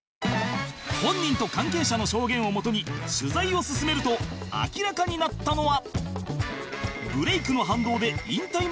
本人と関係者の証言を元に取材を進めると明らかになったのは